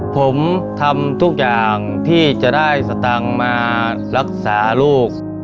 ผมทำทุกอย่างที่จะได้สตางค์มารักษาลูก